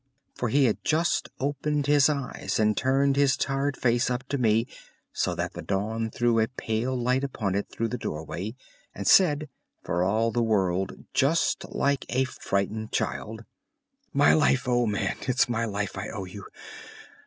For he had just opened his eyes and turned his tired face up to me so that the dawn threw a pale light upon it through the doorway, and said, for all the world just like a frightened child: "My life, old man—it's my life I owe you.